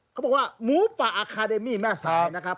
เขาบอกว่าหมูป่าอาคาเดมี่แม่สายนะครับ